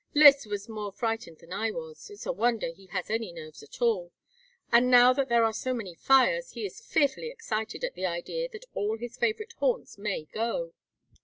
Lys was more frightened than I was it's a wonder he has any nerves at all and now that there are so many fires he is fearfully excited at the idea that all his favorite haunts may go.